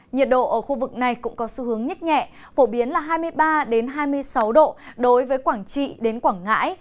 nhiệt độ ở khu vực này cũng có xu hướng nhích nhẹ phổ biến là hai mươi ba hai mươi sáu độ đối với quảng trị đến quảng ngãi